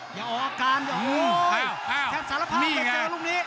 อย่าออกอาการโอ้โหแทงสารภาพเลยเจอลูกนี้